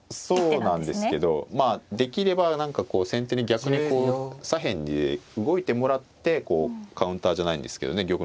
そうなんですけどまあできれば何かこう先手に逆にこう左辺で動いてもらってこうカウンターじゃないんですけどね